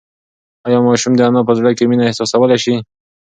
ایا ماشوم د انا په زړه کې مینه احساسولی شي؟